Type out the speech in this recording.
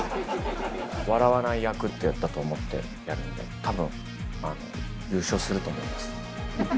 笑わない役ってやったと思って、やるんで、たぶん優勝すると思います。